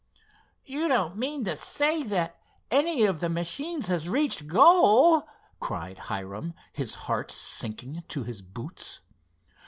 "You don't mean to say that any of the machines has reached goal?" cried Hiram, his heart sinking to his boots.